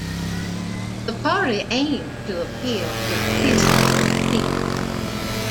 The party aimed to appeal to 'reasonable people'.